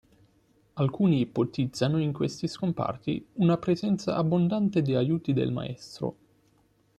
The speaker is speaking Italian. Alcuni ipotizzano in questi scomparti una presenza abbondante di aiuti del maestro.